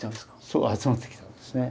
そう集まってきたんですね。